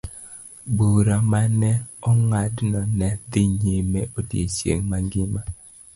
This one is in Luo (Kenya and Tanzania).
Bura ma ne ong'adno ne dhi nyime odiechieng' mangima.